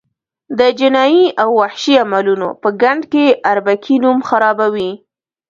د جنایي او وحشي عملونو په ګند کې اربکي نوم خرابوي.